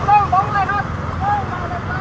การป้องกันประมาณ๓๐๐๐คน